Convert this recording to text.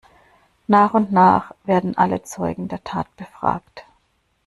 Nach und nach werden alle Zeugen der Tat befragt.